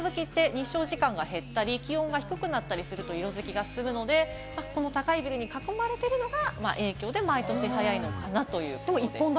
なので、紅葉の色づきって日照時間が減ったり気温が低くなったりすると、色づきが進むので、この高いビルに囲まれているのが影響で毎年早いのかなということでした。